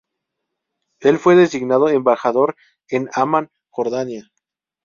El fue designado embajador en Amán, Jordania.